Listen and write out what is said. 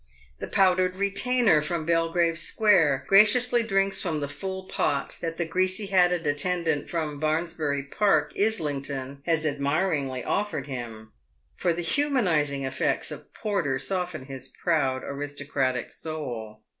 The powdered retainer from Belgrave 'square graciously drinks from the full pot that the greasy hatted attendant from Barnsbury park, Islington, has admiringly offered him, for the humanizing effects of porter soften his proud aristocratic soul.